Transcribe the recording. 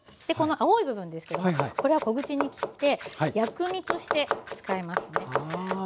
でこの青い部分ですけどもこれは小口に切って薬味として使いますね。